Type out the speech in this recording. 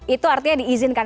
itu artinya diizinkan